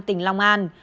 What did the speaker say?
tỉnh long an